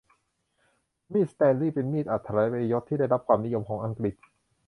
มีดสแตนลีย์เป็นมีดอรรถประโยชน์ที่ได้รับความนิยมของอังกฤษ